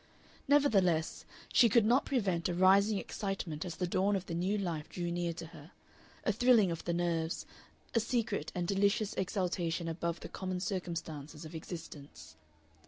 Nevertheless, she could not prevent a rising excitement as the dawn of the new life drew near to her a thrilling of the nerves, a secret and delicious exaltation above the common circumstances of existence.